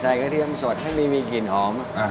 ใส่ข้าวเตียมสดที่ไม่มีกลิ่นหอมจบที่มีของกลุ่มกลับมาถ่าน